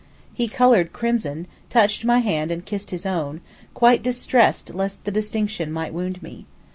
He coloured crimson, touched my hand and kissed his own, quite distressed lest the distinction might wound me.